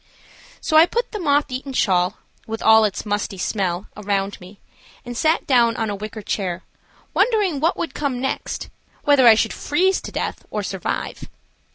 So I put the moth eaten shawl, with all its musty smell, around me, and sat down on a wicker chair, wondering what would come next, whether I should freeze to death or survive.